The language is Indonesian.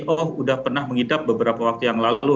oh sudah pernah mengidap beberapa waktu yang lalu